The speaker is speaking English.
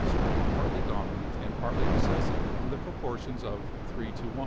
spring partly dominant and partly recessive in the pro portions of 3 : 1.